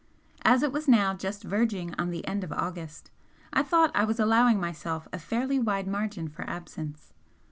As it was now just verging on the end of August, I thought I was allowing myself a fairly wide margin for absence.